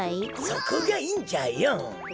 そこがいいんじゃよ。